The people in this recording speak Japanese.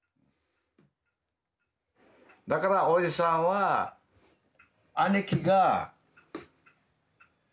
だからおじさんはえっ？